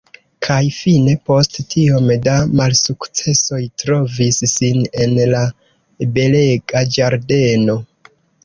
Kaj fine post tiom da malsukcesoj trovis sin en la belega ĝardeno.